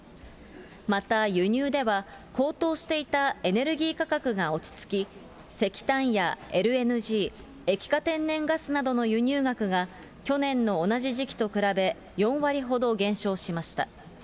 また、輸入では高騰していたエネルギー価格が落ち着き、石炭やＬＮＧ・液化天然ガスなどの輸入額が、去年の同じ時期と比べて４割ほど減少しました。